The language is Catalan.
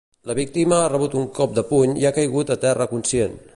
La víctima ha rebut un cop de puny i ha caigut a terra conscient.